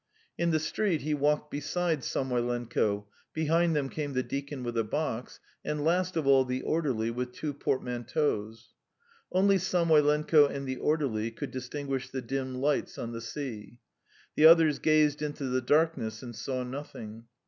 In the street he walked beside Samoylenko, behind them came the deacon with a box, and last of all the orderly with two portmanteaus. Only Samoylenko and the orderly could distinguish the dim lights on the sea. The others gazed into the darkness and saw nothing.